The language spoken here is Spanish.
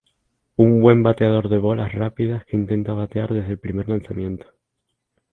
Es un buen bateador de bolas rápidas que intenta batear desde el primer lanzamiento.